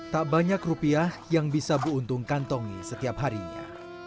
tak banyak rupiah yang bisa bu untung kantongi setiap harinya